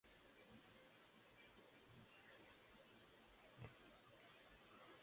Finalmente volvió a Oriental y tuvo una regular actuación.